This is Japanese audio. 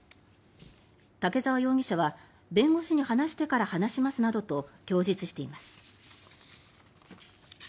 竹澤容疑者は弁護士に話してから話しますなどと供述しています。